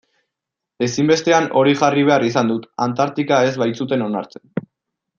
Ezinbestean hori jarri behar izan dut, Antartika ez baitzuten onartzen.